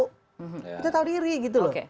kita tahu diri gitu loh